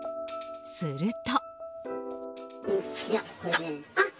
すると。